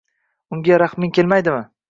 - Unga rahming kelmaydimi?